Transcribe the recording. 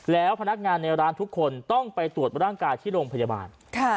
แล้วพนักงานในร้านทุกคนต้องไปตรวจร่างกายที่โรงพยาบาล